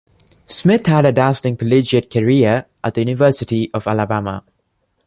Smith had a dazzling collegiate career at the University of Alabama.